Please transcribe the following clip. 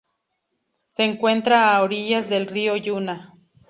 Se encuentra a orillas del río Yuna.